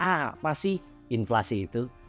apa sih inflasi itu